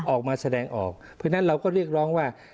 ออกมาแสดงออกเพราะฉะนั้นเราก็เรียกร้องว่า